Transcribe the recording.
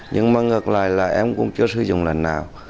nhưng mà ngược lại là em cũng chưa sử dụng lần nào